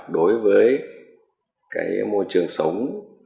đối với môi trường sống